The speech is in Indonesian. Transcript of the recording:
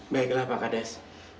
baiklah pak kades